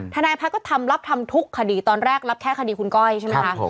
ทนายพัฒน์ก็ทำรับทำทุกคดีตอนแรกรับแค่คดีคุณก้อยใช่ไหมคะ